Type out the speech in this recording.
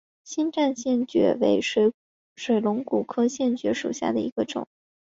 新店线蕨为水龙骨科线蕨属下的一个种。